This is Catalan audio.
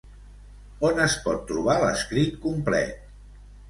On es pot trobar l'escrit complet?